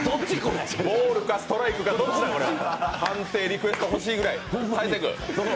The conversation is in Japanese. ボールかストライクかどっち、判定リクエスト欲しいぐらい。